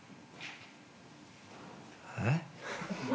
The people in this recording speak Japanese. えっ？